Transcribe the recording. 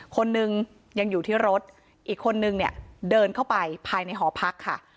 คนนึงยังอยู่ที่รถอีกคนนึงเนี่ยเดินเข้าไปภายในหอพักค่ะ